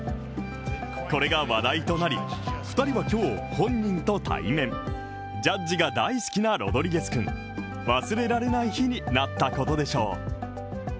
これが話題となり、２人は今日、本人と対面ジャッジが大好きなロドリゲスくん、忘れられない日になったことでしょう。